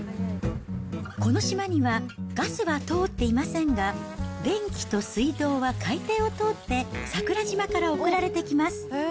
この島には、ガスは通っていませんが、電気と水道は海底を通って桜島から送られてきます。